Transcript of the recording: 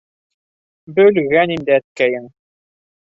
Бөлгән инде әткәйең!